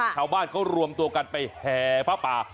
ชาวบ้านเขารวมตัวกันไปแห่ผ้าป่า